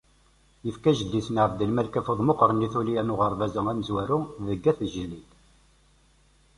Yefka jeddi-is n Ɛebdelmalek afud meqqren i tullya n uɣerbaz-a amezwaru deg At Jlil.